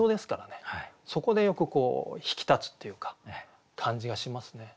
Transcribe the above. そこでよく引き立つっていうか感じがしますね。